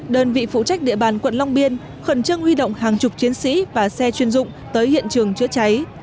đơn vị phụ trách địa bàn quận long biên khẩn trương huy động hàng chục chiến sĩ và xe chuyên dụng tới hiện trường chữa cháy